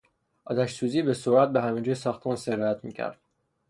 آتشسوزی به سرعت به همه جای ساختمان سرایت میکرد.